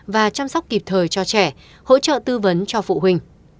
và chăm sóc kịp thời cho trẻ hỗ trợ tư vấn cho phụ huynh